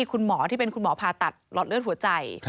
คุณหมอที่เป็นคุณหมอผ่าตัดหลอดเลือดหัวใจ